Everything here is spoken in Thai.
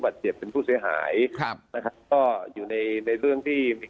เจ็บเป็นผู้เสียหายครับนะครับก็อยู่ในในเรื่องที่มี